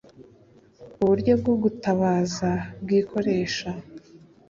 f uburyo bwo gutabaza bwikoresha